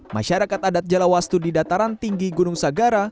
masyarakat adat jalawastu di dataran tinggi gunung sagara